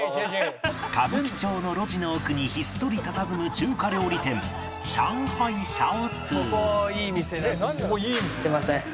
歌舞伎町の路地の奥にひっそりたたずむ中華料理店すみません。